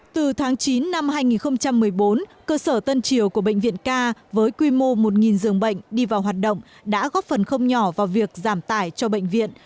từ tháng chín năm hai nghìn một mươi bốn cơ sở tân triều của bệnh viện ca với quy mô một giường bệnh đi vào hoạt động đã góp phần không nhỏ vào việc giảm tải cho bệnh viện